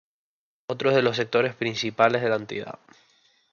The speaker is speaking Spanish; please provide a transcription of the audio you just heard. Otro de los sectores principales de la entidad.